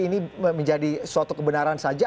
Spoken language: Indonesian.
ini menjadi suatu kebenaran saja